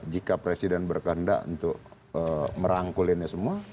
jika presiden berkendak untuk merangkul ini semua